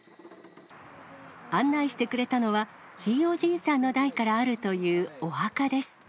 案内してくれたのは、ひいおじいさんの代からあるというお墓です。